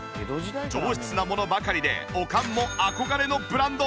上質なものばかりでおかんも憧れのブランド。